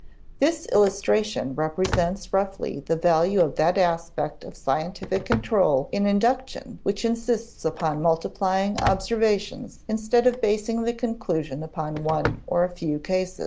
This illustration represents roughly the value of that aspect of scientific control in induction which insists upon multiplying observations instead of basing the conclusion upon one or a few cases.